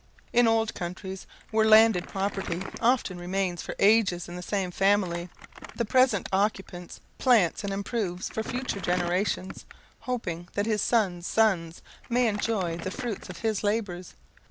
In old countries, where landed property often remains for ages in the same family, the present occupant plants and improves for future generations, hoping that his son's sons may enjoy the fruit of his labours.